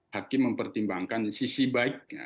hakim mempertimbangkan sisi baik